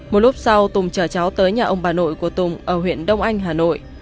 một lúc sau tùng chở cháu tới nhà ông bà nội của tùng ở huyện đông anh hà nội